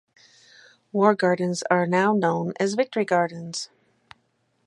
War Gardens are now known as Victory Gardens.